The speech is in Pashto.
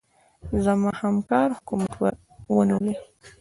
زما همکار حکومت ونيولې.